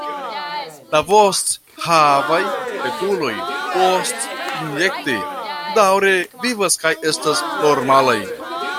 La vosthavaj etuloj postinjekte daŭre vivas kaj estas normalaj.